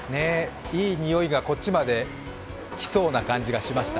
いい匂いがこっちまで来そうな気がしました。